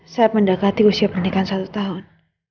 saya mendekati usia pernikahan satu tahun